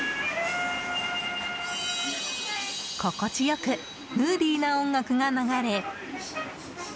心地よくムーディーな音楽が流れ。